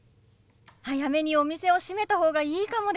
早めにお店を閉めた方がいいかもです。